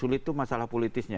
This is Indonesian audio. ya karena itu masalah politisnya